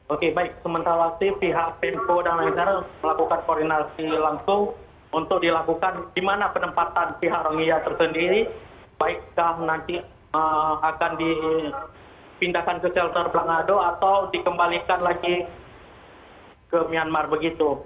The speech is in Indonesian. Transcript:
oke baik sementara itu pihak penco dan lain sebagainya melakukan koordinasi langsung untuk dilakukan di mana penempatan pihak rongia tersendiri baikkah nanti akan dipindahkan ke shelter blangado atau dikembalikan lagi ke myanmar begitu